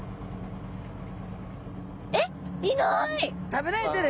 食べられてる。